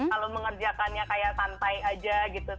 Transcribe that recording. kalau mengerjakannya kayak santai aja gitu